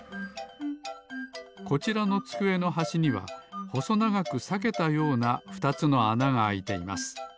こちらのつくえのはしにはほそながくさけたような２つのあながあいています。